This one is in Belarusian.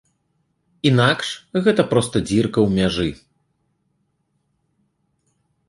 Інакш, гэта проста дзірка ў мяжы.